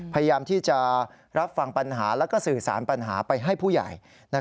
พยายามที่จะรับฟังปัญหาแล้วก็สื่อสารปัญหาไปให้ผู้ใหญ่